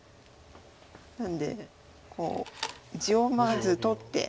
なんでこう地をまず取って。